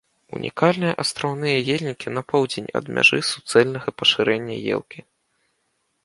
Унікальныя астраўныя ельнікі на поўдзень ад мяжы суцэльнага пашырэння елкі.